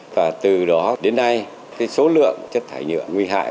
và từ đó đến nay số lượng chất thải nhựa nguy hại